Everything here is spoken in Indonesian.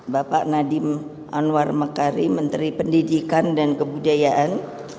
bapak nadiem anwar mekari menteri pendidikan dan kebudayaan